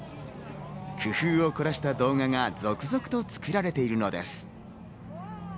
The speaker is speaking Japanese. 工夫を凝らした動画が続々作られているのです。